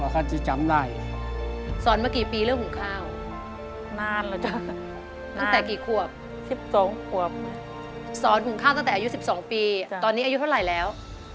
ตอนนี้อายุเท่าไหร่แล้ว